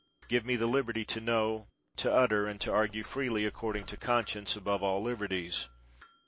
Give me the liberty to know, to utter, and to argue freely according to conscience, above all liberties.